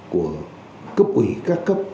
của cấp ủy các cấp